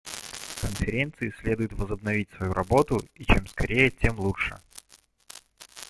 Конференции следует возобновить свою работу, и чем скорее, тем лучше.